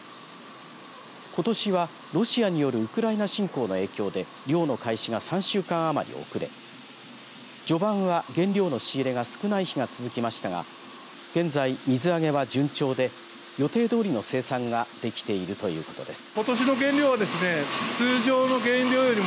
ことしはロシアによるウクライナ侵攻の影響で漁の開始が３週間余り遅れ序盤は原料の仕入れが少ない日が続きましたが現在、水揚げは順調で予定どおりの生産ができているということです。